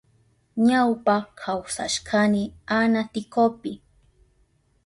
Ñawpa kawsashkani Anaticopi.